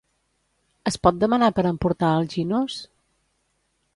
Es pot demanar per emportar al Ginos?